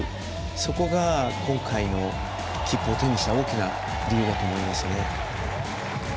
そこが今回の切符を手にした大きな理由だと思いますね。